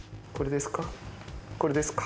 これですか？